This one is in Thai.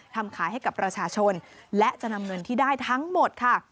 ทำขายให้กับประชาชนและจะนำเงินที่ได้ทั้งหมดค่ะ